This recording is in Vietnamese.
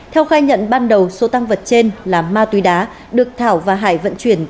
theo khai nhận ban đầu số tăng vật trên là ma túy đá được thảo và hải vận chuyển